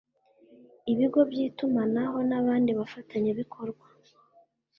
ibigo by’itumanaho n’abandi bafatanyabikorwa